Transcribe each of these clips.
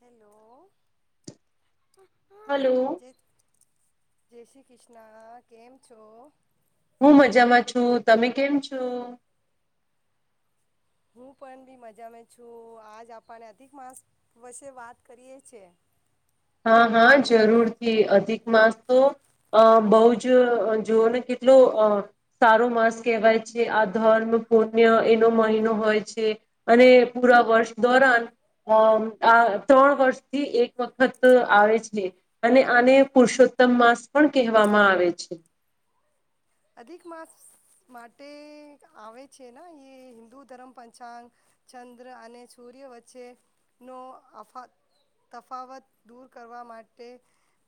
hello hello જય શ્રી કૃષ્ણ કેમ છો હું મજામાં છું તમે કેમ છો હું પણ બી મજામાં છું આજ આપને અધિક માસ વષે વાત કરીએ છે હા હા જરૂરથી અધિક માસ તો અ બહુ જ જોઓ ને કેટલો અ સારો માસ કહેવાય છે આ ધર્મ પુણ્ય એનો મહિનો હોય છે અને પૂરા વર્ષ દોરન અ આ ત્રણ વર્ષથી એક વખત ફક્ત આવે છે અને આને પુરુષોત્તમ માસ પણ કહેવામાં આવે છે અધિક માસ માટે આવે છે ને એ હિદુ ધર્મ પંચાંગ ચંદ્ર અને સૂર્ય વચ્ચેનો અફા તફાવત દૂર કરવા માટે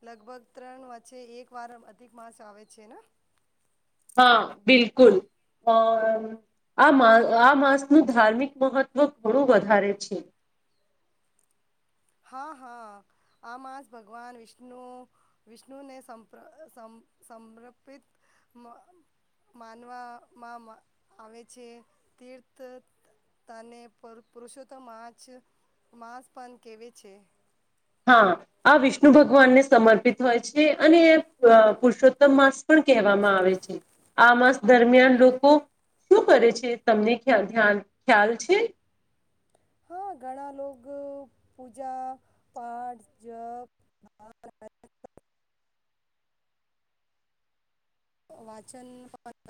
લગભગ ત્રણ વચ્ચે એક વાર અધિક માસ આવે છે ન હા બિલકુલ અ આ આ માસનું ધાર્મિક મહત્વ ઘણું વધારે છે હા હા આ માસ ભગવાન વિષ્ણુ વિષ્ણુને સમ સંપ સમર્પિત મન માનવામાં આવે છે તીર્થ અને પૂર પુરુષોતમસ પણ કેવે છે હા આ વિષ્ણુ ભગવાનને સમર્પિત હોય છે અને પુરુષોત્તમ માસ પણ કહેવામાં આવે છે આ માસ દરમિયાન લોકો શું કરે છે તમને ધ્યાન ખ્યાલ છે હા ઘણા લોકો પૂજા પાાઠ જપ વાચન પવ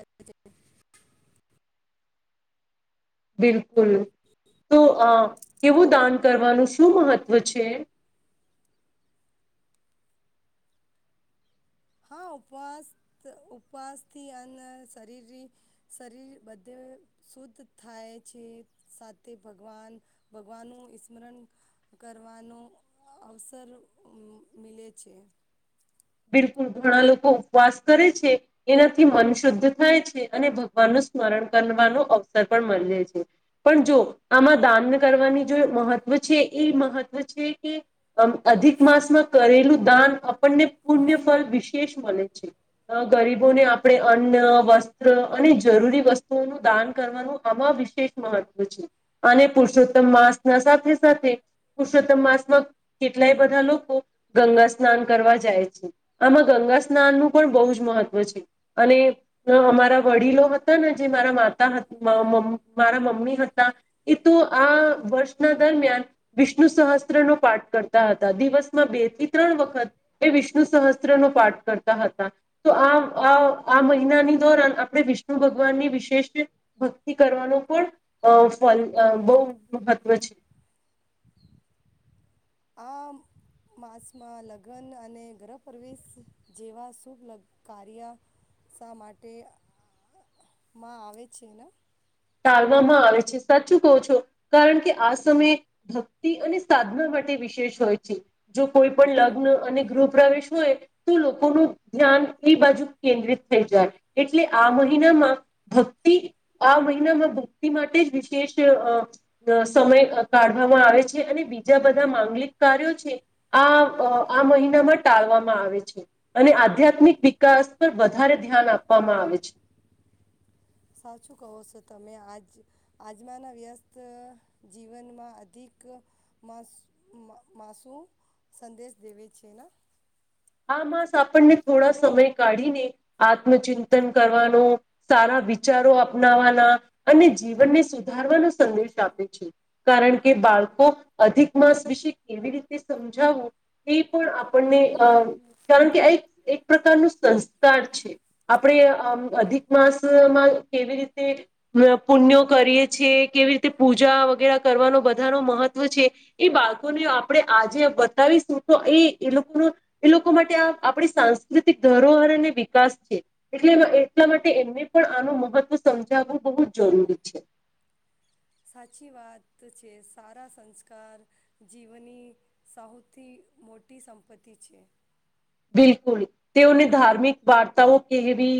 બિલકુલ હમ્મ તો અ કેવું દાન કરવાનું શું મહત્ત્વ છે હા ઉવાસ ઉપવાસથી અને શરીર બધે શુદ્ધ થાય છે સાથેન ભગવાન ભગવાન નુ સ્મરણ કરવાનો અવસર મલે છે બિલકુલ ઘણા લોકો ઉપવાસ કરે છે એનાથી મન શુદ્ધ થાય છે અને ભગવાનનું સ્મરણ કરવાનો અવસર પણ મળે છે પણ જો આમાં દાન કરવાની જો મહત્વ છે એ મહત્ત્વ છે કે અધિક માસમાં કરેલું દાન આપણને પુણ્ય ફળ વિશેષ મળે છે ગરીબોને આપણે અન્ન વસ્ત્ર અને જરૂરી વસ્તુઓનું દાન કરવાનું આમાં વિશેષ મહત્વ છે અને પુરુષોત્તમ માસ ના સાથે સાથે પુરુષોત્તમ માસમાં કેટલાય બધા લોકો ગંગા સ્નાન કરવા જાય છે આમાં ગંગા સ્નાન નું પણ બહુ જ મહત્વ છે અને અમારા વડીલો હતા ને જે મારા માતા મારા મમ્મી હતા એ તો આ વર્ષના દરમિયાન વિષ્ણુ સહસ્ત્ર નો પાઠ કરતા હતા દિવસમાં બે થી ત્રણ વખત એ વિષ્ણુ વિષ્ણુ સહસ્ત્રનો પાઠ કરતા હતા તો આ આ મહિનાની ધોરણ આપણે વિષ્ણુ ભગવાનની વિશેષ ભક્તિ કરવાનો પણ ફલ અ બહુ મહત્વ છે આ માસમાં લગ્ન અને ગૃહ પ્રવેશ જેવા શુભ લ કાર્ય માટે માં આવે છે ને ટળવામાં આવે છે સાચું કો છો કારણ કે આ સમય ભક્તિ અને સાધના માટે વિશેષ હોય છે જો કોઈ પણ લગ્ન અને ગૃહ પ્રવેશ હોય તો લોકોનું ધ્યાન એ બાજુ કેન્દ્રિત થઈ જાય એટલે આ મહિનામાં ભક્તિ આ મહ મહમાં ભક્તિ માટે જ વિશેષ અ સમય કાઢવામાં આવે છે અને બીજા બધા માંગલિક કાર્યો છે આ આ મહિનામાં ટાળવામાં આવે છે અને આધ્યાત્મિક વિકાસ પર વધારે ધ્યાન આપવામાં આવે છે સાચું કહો છો તમે આજ આજમાના વ્યસ્ત જીવનમાં અધિકસ માસ માસુ સંદેશ દેવે છે ને આસ આપણને થોડા સમય કાઢીને આત્મચિંતન કરવાનો સારા વિચારો અપનાવાના અને જીવનને સુધારવાનો સંદેશ આપે છે કારણ કે બાળકો અધિક માસ વિશે કેવી રીતે સમજાવું એ પણ આપણને અ કારણ કે આ એક એક પ્રકારનું સંસ્કાર છે આપણે અ અધિક માસમાં કેવી રીતે પુણ્યો કરીએ છે કેવી રીતે પૂજા વગેરે કરવાનો બધા ન મહત્વ છે એ બાળકોને આપણે આજે બતાવીશું તો એ એ લોકોનું એ લોકો માટે આ આપણી સાંસ્કૃતિક ધરોહરને વિકાસ છે એટલે એટલા માટે એમને પણ આનું મહત્વ સમજાવવું બહુ જ જરૂરી છે સાચી વાત છે સારા સંસ્કાર જીવની સૌથી મોટી સંપત્તિ છે બિલકુલ તેઓને ધાર્મિક વાર્તાઓ કહેવી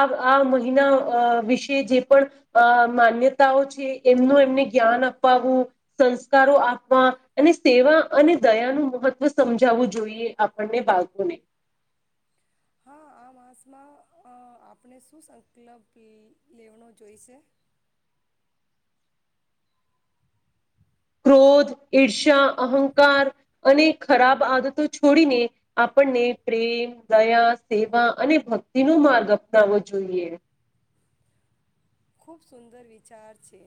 આ આ મહિના અ વિશે જે પણ અ માન્યતાઓ છે એમનું એમને જ્ઞાન અપાવું સંસ્કારો આપવા અને સેવા અને દયાનું મહત્વ સમજાવવું જોઈએ આપણને પૂને હા આ માસમાં અ આપણે શું સંકલ્પ લેવાનો જોઈશે ક્રોધ ઈર્ષા અહંકાર અને ખરાબ આદતો છોડીને આપણને પ્રેમ દયા સેવા અને ભક્તિ નો માર્ગ અપનાવવો જોઈએ ખૂબ સુંદર વિચાર છે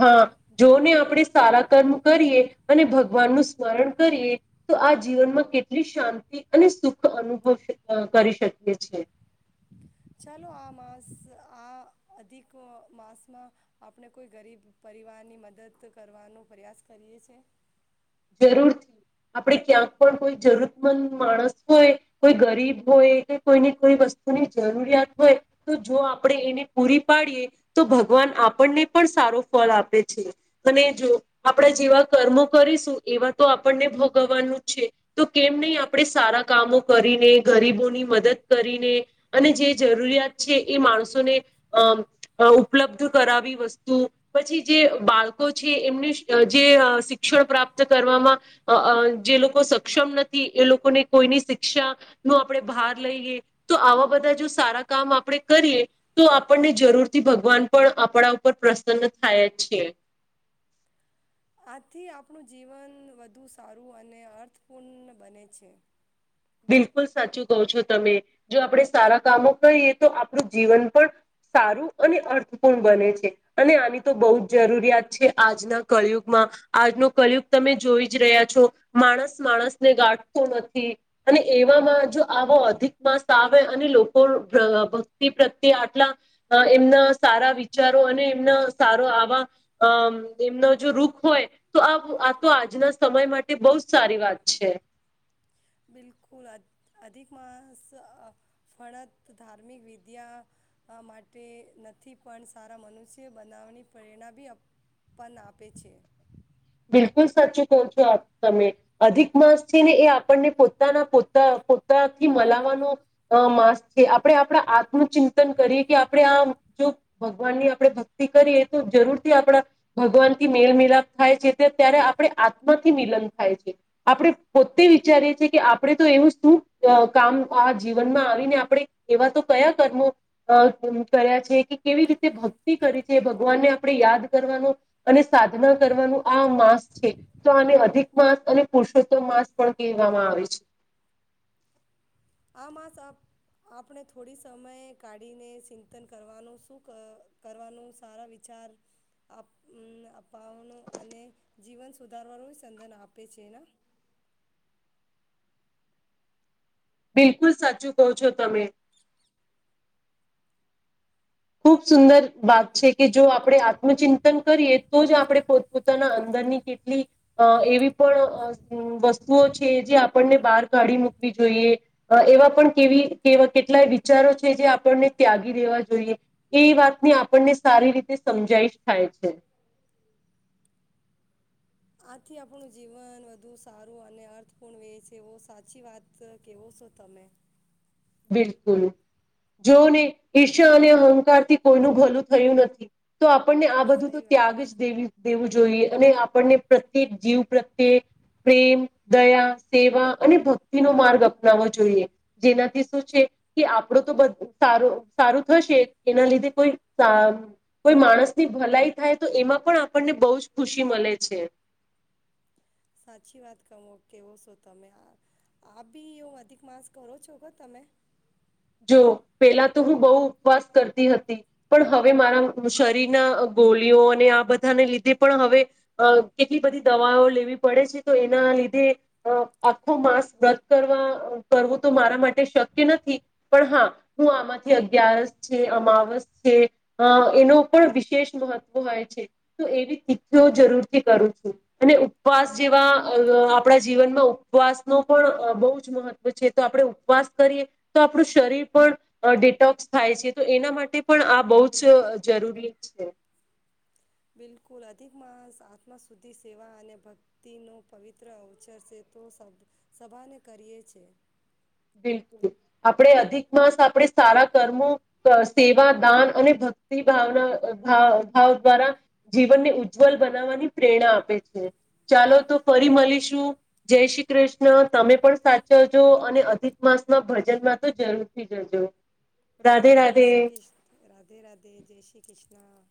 હા જોને આપણે સારા કર્મ કરીએ અને ભગવાનનું સ્મરણ કરીએ તો આ જીવનમાં કેટલી શાંતિ અને સુખ અનુભવ કરી શકીએ છે ચાલો આ માસ આ અધિક માસમાં આપણે કોઈ ગરીબ પરિવારની મદદ કરવાનો પ્રયાસ કરીએ છે જરૂરથી આપણે ક્યાંક પણ કોઈ જરૂરતમંદ માણસ હોય કોઈ ગરીબ હોય કે કોઈની કોઈ વસ્તુની જરૂરિયાત હોય તો જો આપણે એને પૂરી પાડીએ તો ભગવાન આપણને પણ સારો ફળ આપે છે અને જો આપણે જેવા કર્મો કરીશું એવા તો આપણને ભોગવવાનું જ છે તો કેમ નહીં આપણે સારા કામો કરીને ગરીબોની મદદ કરીને અને જે જરૂરિયાત છે એ માણસોને અ ઉપલબ્ધ કરાવી વસ્તુ પછી જે બાળકો છે એમને જે શિક્ષણ પ્રાપ્ત કરવામાં જે લોકો સક્ષમ નથી એ લોકોને કોઈની શિક્ષા નો આપણે ભાર લઈએ તો આવા બધા જો સારા કામ આપણે કરીએ તો આપણને જરૂરથી ભગવાન પણ આપણા ઉપર પ્રસન્ન થાય છે આથી આપણું જીવન વધુ સારું અને અર્થપૂર્ણ બને છે બિલકુલ સાચું કહો છો તમે જો આપણે સારા કામો કરીએ તો આપણું જીવન પણ સારું અને અર્થપૂર્ણ બને છે અને આની તો બહુ જ જરૂરિયાત છે આજના કલયુગમાં આજનો કલયુગ તમે જોઈ જ રહ્યા છો માણસ માણસને ગાઢતો નથી અને એવામાં જો આવો અધિક માસ આવે અને લોકો ભક્તિ પ્રત્યે આટલા એમના સારા વિચારો અને એમના સારો આવા અ એમનો જો રૂખ હોય તો આ આ તો આજના સમય માટે બહુ જ સારી વાત છે બિલકુલ અધિક માસ ફળત ધાર્મિક વિદ્યા માટે નથી પણ સારા મનુષ્ય બનાવવાની પ્રેરણા બી પન આપે છે બિલકુલ સાચું કહો છો તમે અધિક માસ છે ને એ આપણને પોતાના પોતા પોતાથી મલાવાનો માસ છે આપણે આપણા આત્નુંું ચિંતન કરીએ કે આપણે આ જો ભગવાનની આપણે ભક્તિ કરીએ તો જરૂરથી આપણા ભગવાન થી મેલ મિલાપ થાય છે ત્યારે આપણે આત્માથી મિલન થાય છે આપણે પોતે વિચારીએ છએ કે આપણે તો એવું શું કામ આ જીવનમાં આવીને આપણે એવા તો કયા કર્મો કર્યા છે કે કેવી રીતે ભક્તિ કરી છે ભગવાનને આપણે યાદ કરવાનું અને સાધના કરવાનું આ માસ છે તો આને અધિક માસ અને પુરુષોત્તમ માસ પણ કહેવામાં આવે છે આ માસ આપણે થોડી સમય કાઢીને ચિંતન કરવાનું શું કરવાનું સારા વિચાર અપાવાનો અને જીવન સુધારવાનું સંધન આપે છે બિલકુલ સાચું કહો છો તમે ખૂબ સુંદર વાત છે કે જો આપણે આત્મચિંતન કરીએ તો જ આપણે પોતપોતાના અંદરની કેટલી એવી પણ વસ્તુઓ છે જે આપણને બહાર કાઢી મૂકવી જોઈએ એવા પણ કેવીવા કેટલાય વિચારો છે જે આપણને ત્યાગી દેવા જોઈએ એ વાતની આપણને સારી રીતે સમજાઈ થાય છે આથી આપણું જીવન વધુ સારું અને અર્થપૂર્ણ રે છે એવ સાચી વાત કેવો છો તમે બિલકુલ જોને ઈર્ષા અને અહંકાર થી કોઈનું ભલું થયું નથી તો આપણને આ બધું તો સહી વાત ત્યાગ જ દેવી દેવું જોઈએ અને આપણને પ્રત્યેક જીવ પ્રત્યે પ્રેમ દયા સેવા અને ભક્તિ નો માર્ગ અપનાવવો જોઈએ જેનાથી શું છે કે આપડો તો સારું સારું થશે એના લીધે કોઈ કોઈ માણસની ભલાઈ થાય તો એમાં પણ આપણને બહુ જ ખુશી મળે છે સાચી વાત ક કેવો છો તમે આપ બી એવ અધિક માસ કરો છો તમે જો પેલા તો હું બહુ ઉપવાસ કરતી હતી પણ હવે મારા શરીરના ગોલીઓ અને આ બધાને લીધે પણ હવે કેટલી બધી દવાઓ લેવી પડે છે તો એના લીધે આખો માંસ રદ કરવા કરવું તો મારા માટે શક્ય નથી પણ હા હું આમાંથી અગિયારસ છે અમાવસ છે એનો પણ વિશેષ મહત્વ હોય છે તો એવી તીખીઓ જરૂરથી કરું છું અને ઉપવાસ જેવા આપણા જીવનમાં ઉપવાસનો પણ બહુ જ મહત્વ છે તો આપણે ઉપવાસ કરીએ તો આપણું શરીર પણ ડિટોક્સ થાય છે તો એના માટે પણ આ બહુ જ જરૂરી છે બિલકુલ અધિક માણસ આત્માશુદ્ધિ સેવા અને ભક્તિનો પવિત્ર અવસર છે તો સભાને કરીએ છે બિલકુલ આપણે અધિક માસ આપણે સારા કર્મો સેવા દાન અને ભક્તિ ભાવના ભાવ દ્વારા જીવનને ઉજ્જવલ બનાવવાની પ્રેરણા આપે છે ચાલો તો ફરી મળીશું જય શ્રી કૃષ્ણ તમે પણ સાચવજો અને અધિક માસના ભજન માં તો જરૂરથી જજો રાધે જય રાધે શ્રી કૃષ્ણ રાધે રાધે જય શ્રી કૃષ્ણ